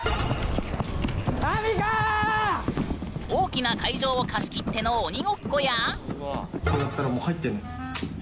大きな会場を貸し切っての鬼ごっこや。